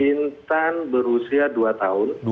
intan berusia dua tahun